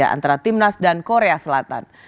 antara timnas dan korea selatan